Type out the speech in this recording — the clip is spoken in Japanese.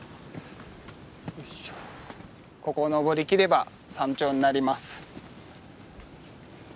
ここを登りきれば山頂になります。